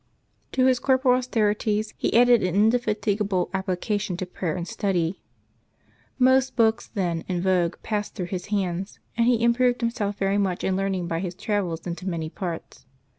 To his corporal austerities he added an indefati gable application to prayer and study. Most books then in vogue passed through his hands; and he improved himself very much in learning by his travels into many parts.